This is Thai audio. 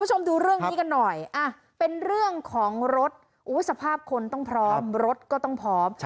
คุณผู้ชมดูเรื่องนี้กันหน่อยเป็นเรื่องของรถสภาพคนต้องพร้อมรถก็ต้องพร้อม